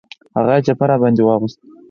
هغه یې چپه را باندې واغوست.